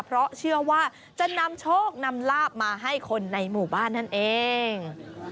เพราะเชื่อว่าจะนำโชคนำลาบมาให้คนในหมู่บ้านนั่นเอง